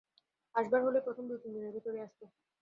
আসবার হলে প্রথম দু-তিন দিনের ভেতরই আসত।